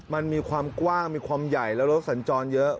มันมีความกว้างมีความใหญ่แล้วรถสัญจรเยอะ